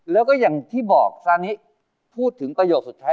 แล้วก็อย่างที่บอกซานิพูดถึงประโยคสุดท้าย